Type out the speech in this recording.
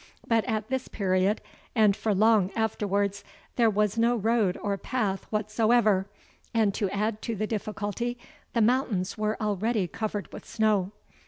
But at this period, and for long afterwards, there was no road or path whatsoever; and to add to the difficulty, the mountains were already covered with snow.